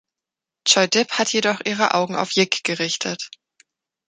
Choi-dip hat jedoch ihre Augen auf Yik gerichtet.